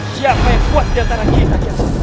siapa yang kuat diantara kita